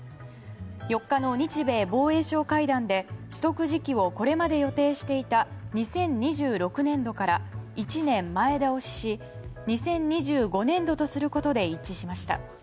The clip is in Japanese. ４日の日米防衛相会談で取得時期をこれまで予定していた２０２６年度から１年前倒しし２０２５年度とすることで一致しました。